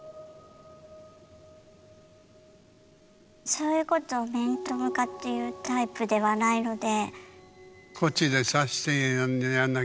そういうことを面と向かって言うタイプではないので。